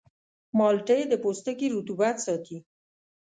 مالټې د پوستکي رطوبت ساتي.